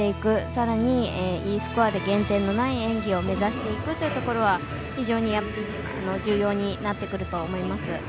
さらにＥスコアで減点のない演技を目指していくというところは非常に重要になってくると思います。